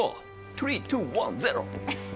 トゥリートゥワンゼロ！